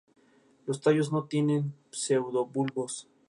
Pascal se niega, señalando que es poco probable que el acuerdo sea respetado.